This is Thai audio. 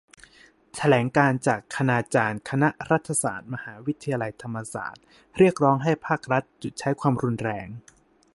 แถลงการณ์จากคณาจารย์คณะรัฐศาสตร์ มหาวิทยาลัยธรรมศาสตร์ เรียกร้องให้ภาครัฐหยุดใช้ความรุนแรง